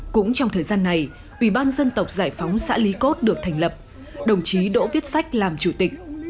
cũng trong thời gian này ubnd giải phóng xã lý cốt được thành lập đồng chí đỗ viết sách làm chủ tịch